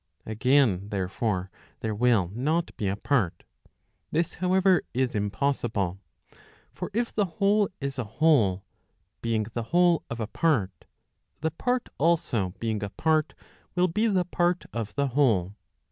Again, therefore, there will not be a part. This, however, is impossible. For if the whole is a whole, being the whole of a part, the part also being a part, will be the part of the whole.